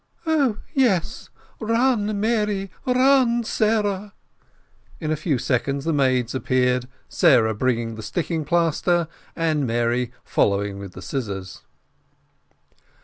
"Oh, yes run, Mary run, Sarah!" In a few seconds the maids appeared, Sarah bringing the sticking plaster, and Mary following with the scissors.